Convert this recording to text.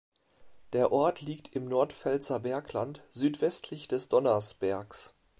Der Ort liegt im Nordpfälzer Bergland südwestlich des Donnersbergs.